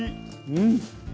うん。